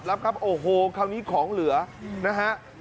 ตรับรับครับโอ้โหเขานี้ของเหลือนะฮะ